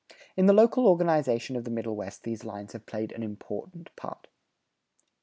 In the local organization of the Middle West these lines have played an important part.